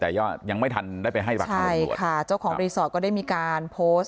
แต่ยังไม่ทันได้ไปให้ปากคำกับปำรวจ